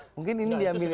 mungkin ini dia milih